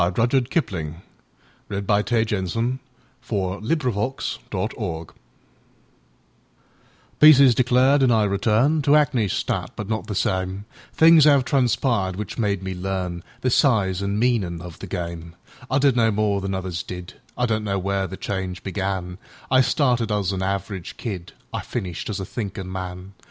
1920. Rudyard Kipling1865–1936 The Return PEACE is declared, and I returnTo 'Ackneystadt, but not the same; Things 'ave transpired which made me learnThe size and meanin' of the game.I did no more than others did,I don't know where the change began;I started as a average kid,I finished as a thinkin' man.